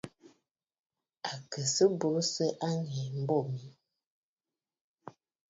À kɨ sɨ bùrə̀sə̀ aà ŋ̀ŋèə mbô mi.